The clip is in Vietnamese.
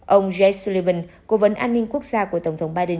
ông jeff sullivan cố vấn an ninh quốc gia của tổng thống biden